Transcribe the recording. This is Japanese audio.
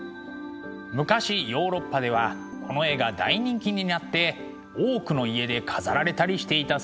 昔ヨーロッパではこの絵が大人気になって多くの家で飾られたりしていたそうです。